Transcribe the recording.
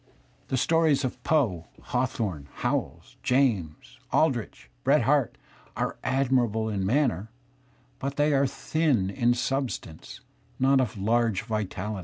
The stories of Poeiv^Hawtiiome, Howells, James, [Aldrich, Bret Harte, are adinirab],e in maimer, but they are ) thin in substance, not of large vitalH^.